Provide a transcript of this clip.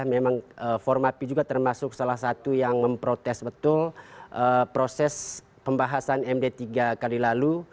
memang formapi juga termasuk salah satu yang memprotes betul proses pembahasan md tiga kali lalu